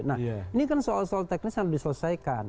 nah ini kan soal soal teknis harus diselesaikan